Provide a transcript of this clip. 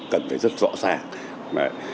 cần phải rất rõ ràng